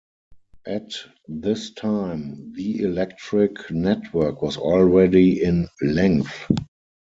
At this time, the electric network was already in length.